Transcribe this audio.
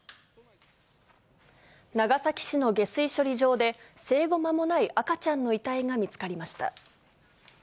長崎市の下水処理場で、生後間もない赤ちゃんの遺体が見つかりました。